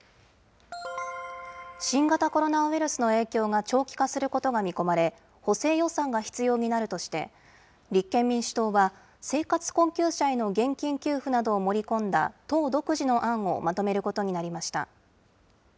新型コロナウイルスの影響が長期化することが見込まれ、補正予算が必要になるとして、立憲民主党は、生活困窮者への現金給付などを盛り込んだ党独自の案をまとめることになりました。